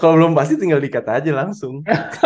kalau belum pasti tinggal dikat aja langsung